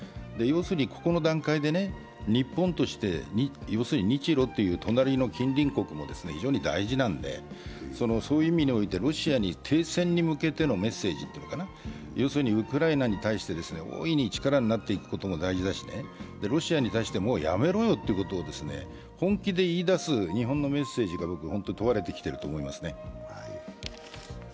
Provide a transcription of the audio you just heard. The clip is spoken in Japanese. ここの段階で日本として要するに日ロという隣の近隣国も非常に大事なので、そういう意味において、ロシアに停戦に向けてのメッセージというのかな、要するにウクライナに対して大いに力になっていくことも大事だし、ロシアに大してもうやめろよということを本気で言い出す日本のメッセージが問われてきていると思いますね。